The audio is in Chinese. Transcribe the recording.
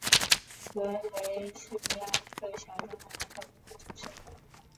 格雷西尼亚克小教堂人口变化图示